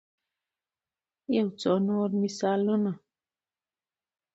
يو څو نور مثالونه